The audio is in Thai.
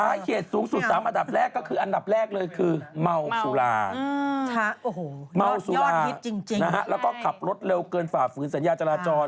เหตุสูงสุด๓อันดับแรกก็คืออันดับแรกเลยคือเมาสุราเมาสุราแล้วก็ขับรถเร็วเกินฝ่าฝืนสัญญาจราจร